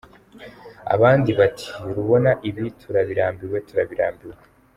Abandi bati: ”Rubona ibi turabirambiwe, turabirambiwe.